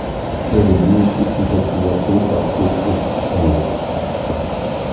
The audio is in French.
Elle nie toutes les accusations portées contre elle.